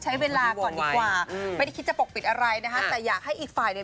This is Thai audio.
ใช้เวลาก่อนดีกว่าไม่ได้คิดจะปกปิดอะไรนะคะแต่อยากให้อีกฝ่ายเนี่ย